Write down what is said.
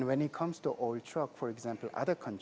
dan ketika berhubungan dengan kendaraan uang